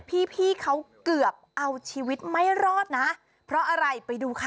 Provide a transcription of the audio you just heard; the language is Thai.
พี่พี่เขาเกือบเอาชีวิตไม่รอดนะเพราะอะไรไปดูค่ะ